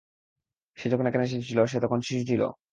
সে যখন এখানে এসেছিল সে তখন শিশু ছিল।